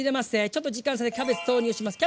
ちょっと時間差でキャベツ投入します。